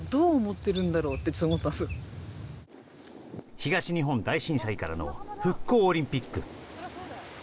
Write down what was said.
東日本大震災からの復興オリンピック。